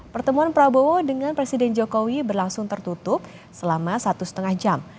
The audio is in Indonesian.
pertemuan prabowo dengan presiden jokowi berlangsung tertutup selama satu setengah jam